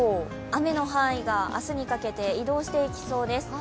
雨の範囲が明日にかけて移動していきそうです。